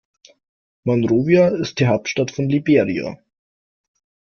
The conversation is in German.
Monrovia ist die Hauptstadt von Liberia.